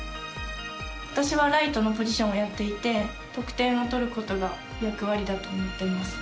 私はライトのポジションをやっていて得点を取ることが役割だと思っています。